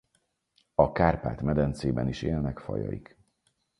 A Kárpát-medencében is élnek fajaik.